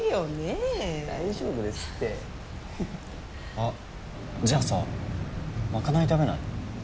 あっじゃあさ賄い食べない？